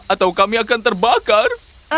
atau kami akan terbakar